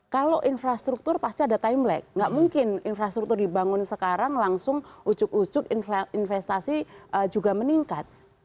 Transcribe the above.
kalau infrastruktur pasti ada timeline nggak mungkin infrastruktur dibangun sekarang langsung ujuk ujuk investasi juga meningkat